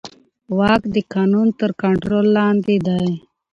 واک د قانون تر کنټرول لاندې دی.